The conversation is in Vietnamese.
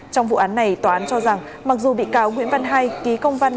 trong vụ án này tòa án cho rằng mặc dù bị cáo nguyễn văn hai ký công văn